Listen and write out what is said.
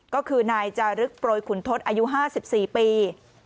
ก็คือนายจารึกโปรยขุนทศอายุ๕๔ปี